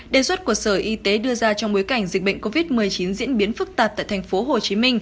đề xuất của sở y tế đưa ra trong bối cảnh dịch bệnh covid một mươi chín diễn biến phức tạp tại tp hcm